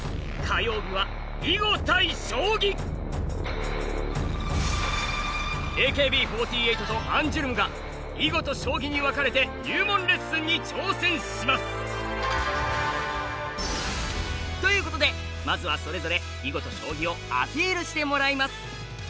火曜日はＡＫＢ４８とアンジュルムが囲碁と将棋に分かれて入門レッスンに挑戦します！ということでまずはそれぞれ囲碁と将棋をアピールしてもらいます！